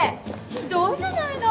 ひどいじゃないの！